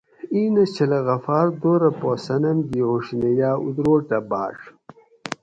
ایں نہ چھلہ غفار ( غپھار ) دورہ پا صنم گی ھوڛینہ یا اتروٹہ بۤاڄ